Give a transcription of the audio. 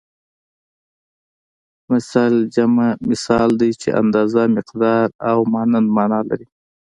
مثل جمع مثال دی چې اندازه مقدار او مانند مانا لري